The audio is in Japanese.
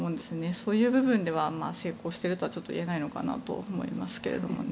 そういう部分では成功しているとはちょっと言えないのかなと思いますけど。